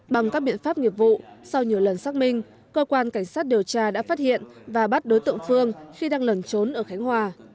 bằng các biện pháp nghiệp vụ sau nhiều lần xác minh cơ quan cảnh sát điều tra đã phát hiện và bắt đối tượng phương khi đang lẩn trốn ở khánh hòa